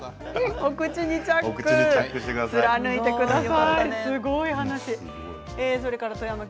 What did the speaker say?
お口にチャック貫いてください。